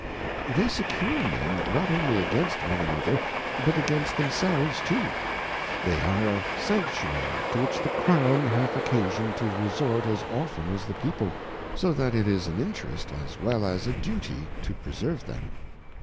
They secure Men not only against one another, but against themselves too ; they are a Sanctuary to which the Crown hath occasion to resort as often as the People, so that it is an Interest as well as a Duty to preserve them.